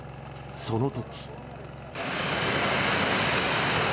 その時。